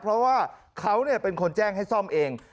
เพราะว่าเขาเป็นคนแจ้งให้ซ่อมเอง